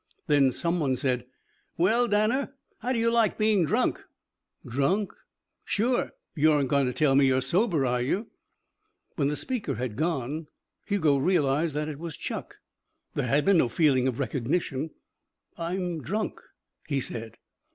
Then some one said: "Well, Danner, how do you like being drunk?" "Drunk?" "Sure. You aren't going to tell me you're sober, are you?" When the speaker had gone, Hugo realized that it was Chuck. There had been no feeling of recognition. "I'm drunk!" he said.